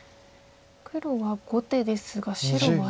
黒は５手ですが白は今？